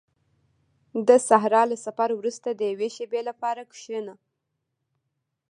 • د صحرا له سفر وروسته د یوې شېبې لپاره کښېنه.